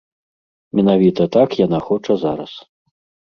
Менавіта так яна хоча зараз.